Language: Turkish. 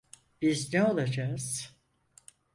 Biz ne olacağız?